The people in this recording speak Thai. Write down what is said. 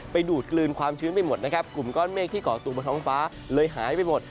ไปดูดกลืนความชื้นไปหมดนะครับกลุ่มก้อนเมฆที่เกาะตัวบนท้องฟ้าเลยหายไปหมด